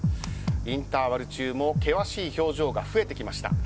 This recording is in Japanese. インターバル中も険しい表情が増えてきました。